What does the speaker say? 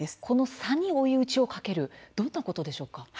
この差に追い打ちをかけるというのはどういうことでしょうか。